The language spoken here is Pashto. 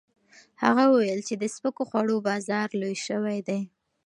هغه وویل چې د سپکو خوړو بازار لوی شوی دی.